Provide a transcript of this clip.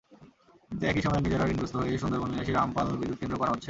কিন্তু একই সময়ে নিজেরা ঋণগ্রস্ত হয়ে সুন্দরবনবিনাশী রামপাল বিদ্যুৎকেন্দ্র করা হচ্ছে।